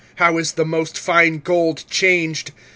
how is the most fine gold changed!